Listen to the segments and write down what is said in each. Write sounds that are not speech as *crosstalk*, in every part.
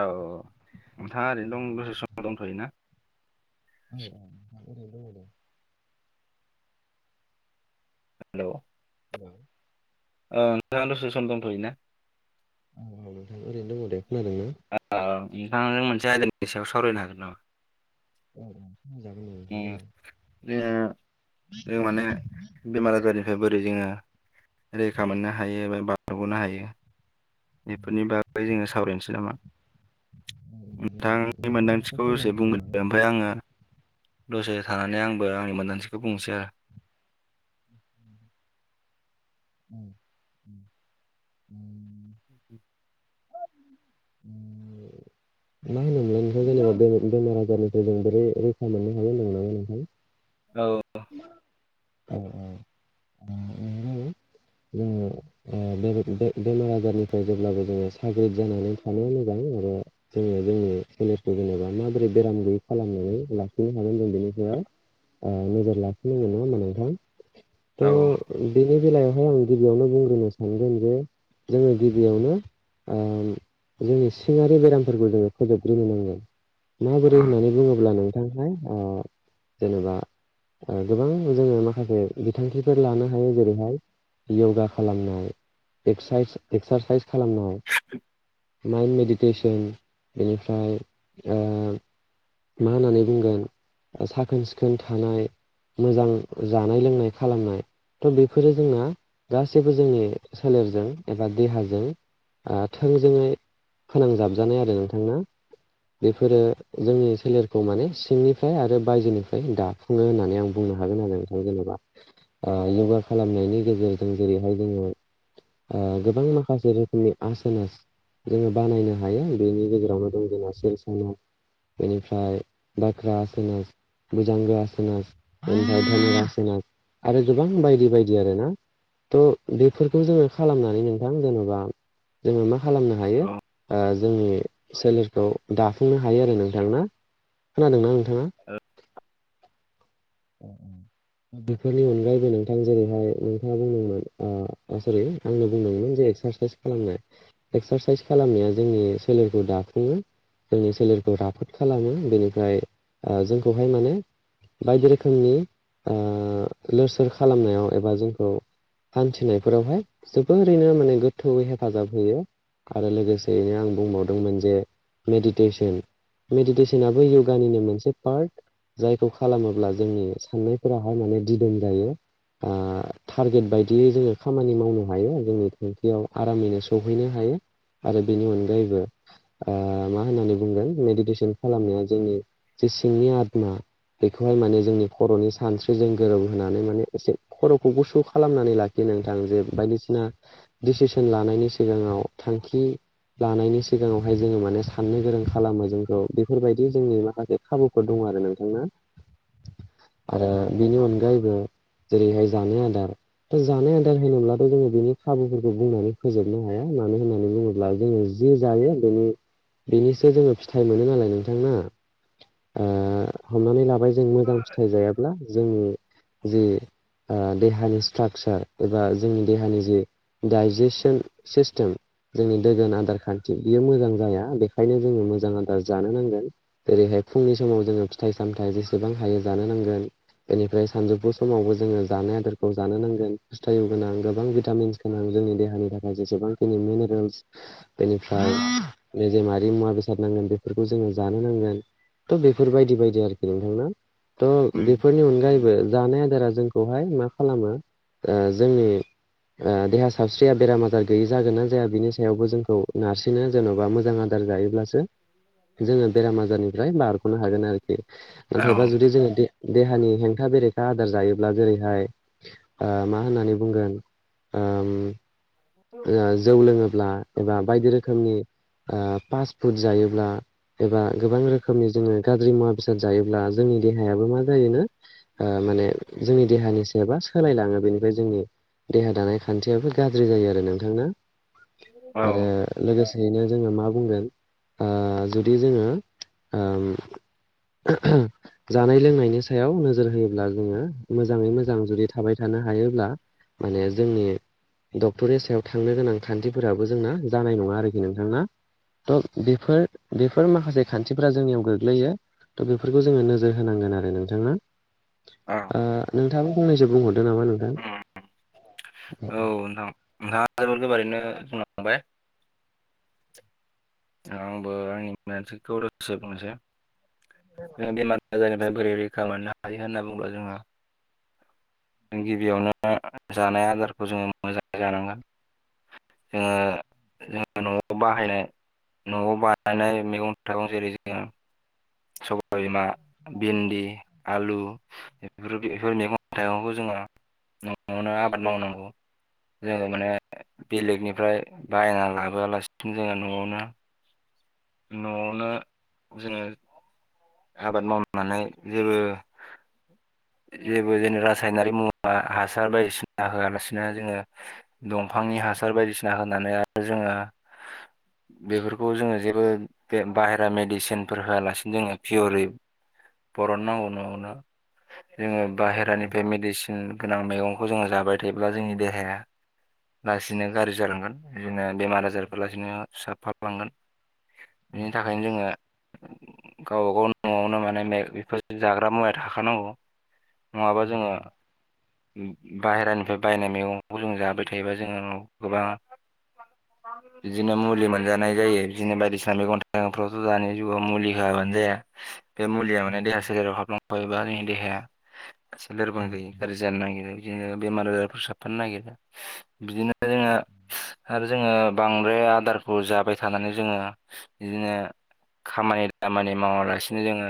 औ नोंथाङा ओरैनो दं औ दस समाव दंथ'योना? *inaudible* हेल'। औ ओ नोंथाङा दसे सम दंथ'योना? औ औ नोंथां ओरैनो दङ दे खोनादोंना? औ नोंथांजों मोनसे आयदानि सायाव सावरायनो हागोन नामा? औ जागोन नामा नोंथां मोना? जे जों माने बेमार आजारनिफ्रायबो जोङो रैखा मोननो हायो एबा बारग'नो हायो। बेफोरनि बागै जोङो सावरायनोसै नामा? देनाय नोंथांनि नोंथाङानो मोनदांथिखौ एसे फोरमायग्रोदो नामा बुंग्रोदो ओमफाय आङो दसे थानानै आंबो आंनि मोनदांथिखौ बुंनोसै आरो। *inaudible* *unintelligible* *inaudible* *unintelligible* मा होनोमोनलाय नो? जेनेबा बेमार आजारनिफ्राय जों बोरै रैखा मोननो हायो होनदोंमोनलाय नोंथां। औ। औ - औ नंगौ। जोङो ओ बेरे बे बेमार आजारनिफ्राय जेब्लाबो जोङो साग्रिद जानानै थानो नो हायो आरो जोङो जोंनि सोलेरखौ जेनेबा माबोरै बेराम गैयै खालामनानै लाखिनो हागोन जों बे नोजोर लाखिनांगोन ना मोनथां थ औ बेनि बे बेलायावहाय आं गिबियावनो बुंग्रोनो सानगोन जे जोङो गिबियावनो ओ जोंनि सिङारि बेरामफोरखौ जोङो फोजोबग्रोनो नांगोन। माबोरै औ होननानै बुङोब्ला नोंथांहाय ओ जेनेबा ओ गोबां जोङो माखासे बिथांखिफोर लानो हायो जेरैहाय य'गा खालामनाय एकसाइस एक्सारसाइस खालामनाय माइन्ड मेडिटेसन बेनिफ्राय ओ मा होननानै बुंगोन। साखोन - सिखोन थानाय मोजां जानाय लोंनाय खालामनाय थ' बेफोरो जोंना गासैबो जोंनि सोलेरजों एबा देहाजों ओ थोंजोङै फोनांजाबजानाय आरो नोंथांनो। बेफोरो जोंनि सोलेरखौ माने सिंनिफ्राय आरो बायजोनिफ्राय दाफुङो होननानै आं बु नो होन आरो नोंथ जेन'बा योगा खालामनायनि गेजेरजों जेरैहाय जोङो ओ गोबां माखासे रोखोमनि आसनास जोङो बानायनो हायो बेनि गेजेरावनो दं जोंना सेल साव बेनिफ्राय बाख्रा आस'नास मोजांगा आसोनास आरो गोबां बायदि-बायदि। बि आरोना थ' बेफोरखौ जोङो खालामनानै नोंथां जेन'बा जोङो मा खालामनो हायो औ ओ जोंनि सोलेरखौ दाफुंनो हायो आरो नोंथां ना खोनादोंना नोंथाङा? औ - औ। बेफोरनि अनगायैबो नोंथां जेरैहाय नोंथाङा बुंदोंमोन ओ सरि आंनो बुंदोंमोन। एक्सारसाइस खालामनाय एक्सारसाइस खालामनाया जोंनि सोलेरखौ दाफुङो। जोंनि सोलेरखौ राफोद खालामो बेनिफ्राय ओ जोंखौहाय माने बायदि रोखो रोखोमनि ओ लोर सोर खालामनायाव एबा जोंखौ हान्थिनायफोरावहाय जोबोरैनो माने गोथौयै हेफाजाब होयो। आरो लोगोसेयैनो आं बुंबावदोंमोन जे मेडिटेसन मेडिटेसनाबो यगानिनो मोनसे पार्ट जायखौ खालामोब्ला जोंनि साननायफोराहाय माने दिदोम जायो। ओ टारगेट बायदियै जोङो खामानि मावनो हायो जोंनि थांखियाव आरामैनो सहैनो हायो। आरो बेनि अनगायैबो ओ मा होननानै बुंगोन मेडिटेसन खालामनाया जोंनि जे सिंनि आदमा बेखौहाय माने जोंनि खर'नि सानस्रिजों गोरोब होनानै माने एसे खर'खौ गुसु खालामनानै लाखि नोंथां जों बाय दिसिना डिसिसन लानायनि सिगांङाव थांखि लानायनि सिगांङावहाय जोङो माने साननो गोरों खालामो जोंखौ बेफोरबायदि जोंनि माखासे खाबुफोर दङ। आरो नोंथां ना आ बेनि अनगायैबो जेरैहाय जानो आदार। दा जानाय आदार होनोब्लाथ' जोंङो बिनि खाबुफोरखौ बुंनानै फोजोबनो हाया मानो होननानै बुङोब्ला जोंङो जि जायो बेनि बेनिसो जोंङो फिथाइ मोनो नालाय नोंथां ना? ओ हमनानै लाबाय जों मोजां फिथाइ जायाब्ला जों जि आ देहानि स्ट्राकसार एबा जोंनि देहानि जि दडाइजेस सिस्टिम जोंनि दोगोन आदार खान थि बियो मोजां जाया बेखायनो जोंङो मोजां आदार जानो नांगोन जेरैहाय फुंनि समाव जोंङो फिथाइ-सामथाइ जेसेबां हायो जानो नांगोन। बेनिफ्राय सानजौफु समावबो जोंङो जानाय आदारखौ जानो नांगोन हुस्थायु गोनां गोबां भिटामिन्स गोनां। जोंनि देहानि थाखाय जेसेबांखिनि मिनारेल्स बेनिफ्राय निजोमारि मुवा-बेसाद नांगोन बेफोरखौ जोंङो जानो नांगोन। थ' बेफोर बायदि-बायदि आरोखि नोंथां ना थ' बेफोरनि अनगायैबो जानाय आदारा जोंखौहाय मा खालामो ओ जोंनि ओ देहा सावस्रिया बेराम आजार गैयि जागोन ना जाया बिनि सा यावबो जोंखौ नारसिनो जेनबा मोजां आदार जायोब्लासो जोंङो बेराम आजारनिफ्राय बारग'नो हागोन आरोखि औ नाथायबा जुदि जोंङो दे-देहानि हें था बेरेखा आदार जायोब्ला जेरैहाय आ मा होननानै बुंगोन आम। जौ लोंङोब्ला एबा बायदि रोखोमनि आ पास फुट जायोब्ला एबा गोबां रोखोमनि जोंङो गाज्रि मुवा बेसाद जायोब्ला जोंनि देहायाबो मा जायोनो आ माने जोंनि देहानि *unintelligible* सोलायलाङो बेनिफ्राय जोंनि देहा दानाय खान्थियाबो गाज्रि जायो आरो नोंथां ना औ आरो लोगोसे बिनो जोंङो मा बुंगोन आ जुदि जोंङो ओम जानाय-लोंनायनि सायाव नोजोर होयोब्ला जोंङो मोजांङै मोजां जुदि थाबाय थानो हायोब्ला माने जोंनि डक सायाव थांनो गोनां खान्थिफोराबो जोंना जानाय नंङा आरोखि नोंथां ना। ओ बेफोर-बेफोर माखासे खान्थिफोरा जोंनियाव गोग्लैयो। थ बेफोरखौ जोंङो नोजोर होनांगोन आरो नोंथां ना? औ आ नोंथांङाबो फंनैसो बुंहरदो नामा नोंथां? औ नोंथां नोंथांङा जोबोर गोबारैनो बुंलांबाय। आंबो आंनिसे गरसो बुंनोसै जों बेमारजनि बोरै रैखा मोननो हायो होनना बुंङोबा जोंहा जों गिबियावनो जानाय आदारखौ जोंङो मोजांङै जानांगोन। जोंङो जों नआव बाहायनाय नआव बानायनाय मैगं-थायगं जेरै जोंङो सबाय बिमा भिन्दि आलु बेफोर-बेफोर मैगं थाइगंखौ जों न'आवनो आबाद मावनांगौ। जोङो माने बेलेगनिफ्राय बायना लाबोआलासिनो जोंङो न'आवनो न'आवनो जोंङो आबाद मावनानै जेबो *inaudible* जेबो जों रासायनारि मुवा हासार बायदिसिना होआलासिनो जोंङो दंफांनि हासार बायदिसिना होनानै आरो जोंङो बेफोरखौ जोंङो जेबो बे बाहेरा मेडिसिनफोर होआलासिनो जोंङो फिय'रै बरन नांगौ नआवनो। जोंङो बाहेरानिफ्राय मेडिसिन गोनां मैगंखौ जोंङो जाबाय थायोब्ला जोंनि देहाया लासैनो गाज्रि जालांगोन बिदिनो बेमार आजारफोर लासैनो सुसाबफाबलांगोन बिनि थाखायनो जोंङो गावबा गाव नआवनो माने बेफोर जाग्रा मुवाया थाखानांगौ नङाबा जोंङो बाहेरानिफ्राय बायनाय मैगंखौ जों जाबाय थायोबा जोंङो गोबां बिदिनो मुलि मोनजानाय जायो बिदिनो बायदिसिना मैगं थाइगंफ्रावथ' दानि जुगाव मुलि दाबानो जाया बे मुलिया माने देहा सोलेराव बा जोंनि देहाया एसे लोरबां जायो गाज्रि जानो नागिरो बिदिनो बेमार आजारफोर साबफानो नागिरा बिदिनो जोङो उम आरो जोङो बांद्राय आदारखौ जाबाय थानानै जोङो बिदिनो खामानि खामानि मावालासिनो जोङो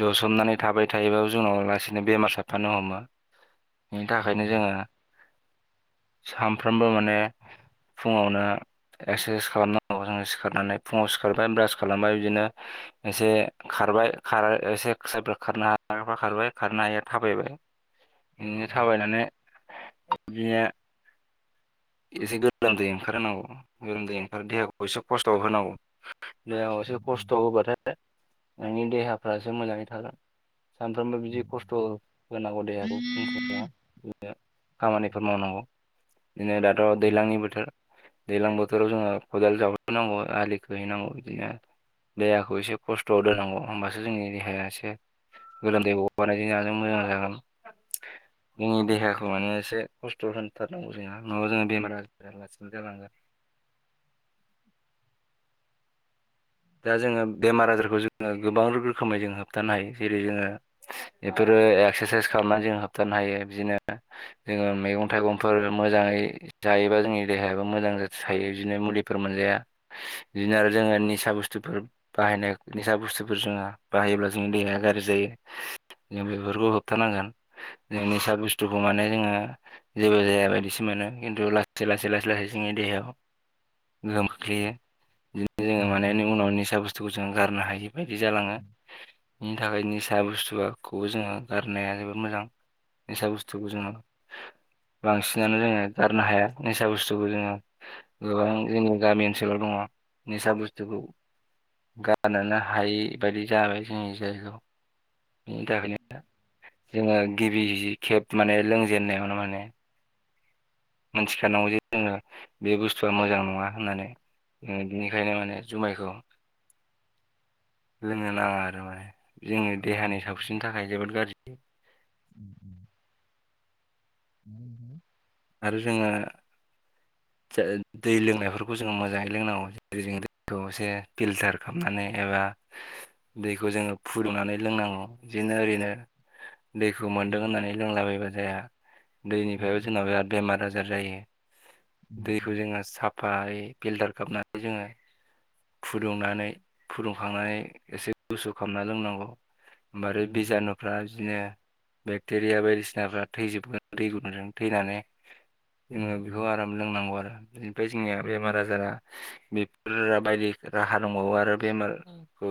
जसोमनानै थाबाय थायोबाबो जोंनाव लासिनो बेमार साबफानो हमो। बिनि थाखायनो जोङो सानफ्रोमबो माने फुङावनो एक्सारसाइस खालामनांगौ जोङो सिखारनानै फुङाव सिखारबाय ब्रास खालामबाय बिदिनो एसे खारबाय खार एसेब खारनो हागफा खारबाय खारनो हायैआ थाबाय बिदिनो थाबायनानै बिदिनो एसे गोलोमदै ओंखारहोनांगौ गोलोमदै ओंखार देहाखौ एसे खस्थ'आव होनांगौ। देहाखौ एसे खस्थ' होबाथाय नोंनि देहाफ्रासो मोजाङै थागोन सानफ्रोमबो बिदि खस्थ' होनांगौ देहाखौ बिनो खामानिफोर मावनांगौ बिदिनो दाथ' दैज्लांनि बोथोर दैज्लां बोथोराव जोंहा खदाल जावनांगौ आलि खो हैैनांगौ बिदिनो देहाखौ एसे खस्थ'आव दोननांगौ होमबासो जोंनि देहाया एसे गोलोमदै गगारनायजों जाजों मोजां जागोन जोंनि देहाखौ माने एसे खस्थ' होनथारनांगौ जोंहा नङाबा जोङो बेमार आजारा रासिन जालांगोन। *inaudible* दा जोङो बेमार आजारखौ जोङो गोबां रोखोमै जों होबथानो हायो जेरै जोङो बेफोरो एक्सारसाइस खालामनानै जों होबथानो हायो बिदिनो जोङो मैगं थाइगंफोर मोन मोजाङै जायोबा जोंनि देहायाबो मोजां थायो बिदिनो मुलिफोर मोनजाया बिदिनो आरो जों आ निसा बुसथु थुदुं बाहायनाय निसा बुस्थुफोर जोङो बाहायोब्ला जोंनि देहाया गाज्रि जायो। जों बेफोरखौ होबथानांगोन जों निसा बुस्थुखौ माने जोङो जेबो जाया बायदिसोमोन। खिन्थु लासै लासै लासै लासै जोंनि देहायाव गोहोम खोख्लैयो। बिदिनो जोङो औ माने औ। उनाव निसा बुस्थुखौ जोंङ गारनो हायि बायदि जालाङो बेनि थाखाय निसा बुस्थुखौबो जोङो गारनो फाननाया जोबोद मोजां निसा बुस्थुखौ जोङो बांसिनानो जोङो गारनो हाया निसा बुस्थुखौ जोङो गोबां जोंनि गामि ओनसोलाव दङ। निसा बुस्थुखौ गारनोनो हायै बायदि जाबाय जोंनि जायगायाव बिनि थाखायनो जोङो गिबि गिबि खेब माने लोंजेननायावनो माने मोनथिखानांगौ जे जोङो बे बुस्थुआ मोजां नङा होननानै। बिनिखायनो माने जुमायखौ लोंनो नाङा आरो माने जोङो देहानि सावस्रिनि थाखाय जोबोद गाज्रि उम। आरो जोङो *inaudible* दै लोंनायफोरखौ जों मोजाङै लोंनांगौ जेरै जों दैखौ एसे फिल्टार खालामनानै एबा दैखौ जोङो फुदुंनानै लोंनांगौ बिदिनो ओरैनो *inaudible* दैखौ मोन्दों होननानै लोंलाबायबा जाया दैनिफ्रायबो जोंना बिराद जा जायो दैखौ जोङो साफायै फिल्टार खालामनानै जोङो फुदुंनानै फुदुंखांनानै एसे गुसु खालामना लोंनांगौ। ओमबानो बिजानुफ्रा बिदिनो बेक्टेरिया बायदिसिनाफ्रा थैजोबगोन दै गुदुंजों थैनानै जोङो बेखौ आराम लोंनांगौ आरो बे जोंनिया बेमार आजारा बेफोर बायदि राहा दंबावो आरो बेमारखौ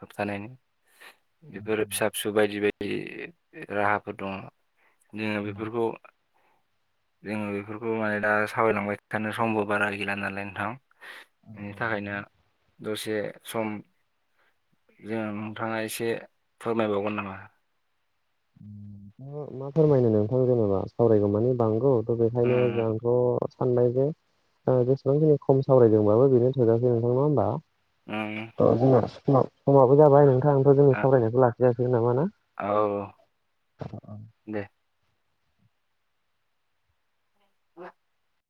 होबथानायनि बेफोर फिसा फिसौ बायदि बायदि राहाफोर दङ। जों बेफोरखौ जोङो बेफोरखौ माने दा सावायलांबाय थानो समबो बारा गैला नालाय नोंथां। बेनि थाखायनो दसे सम जोङो नोंथाङा एसे फोरमायबावगोन नामा? मा मा फोरमायनो नोंथां जेनेबा सावरायगौ मानि बांगौ थ' उम बेखायनो आंथ' साननाय जे ओ जेसेबांखिनि खम सावरायदोंबाबो बेनो थोजासे नोंथां नङा होमबा। उम उम औ जोंना समा-समाबो जाबाय नोंथां थ' जोङो आ सावरायनायखौ लाखिजासिगोन नामा ना। औ। दे *inaudible* *inaudible*